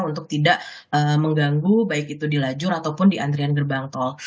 untuk tidak mengganggu baik itu di lajur ataupun di antrian gerbang tol